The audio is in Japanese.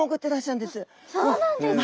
そうなんですか。